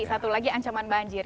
satu lagi ancaman banjir